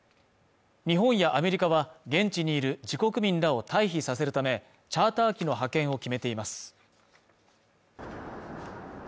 日本やアメリカは現地にいる自国民らを退避させるためチャーター機の派遣を決めています